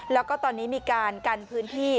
แล้วก็ตอนนี้มีการกันพื้นที่